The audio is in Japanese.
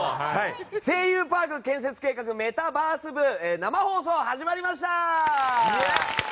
『声優パーク建設計画メタバース部』生放送始まりました！